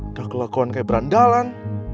udah kelakuan kayak berandalan